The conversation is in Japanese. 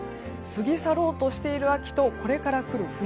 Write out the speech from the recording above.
過ぎ去ろうとしている秋とこれから来る冬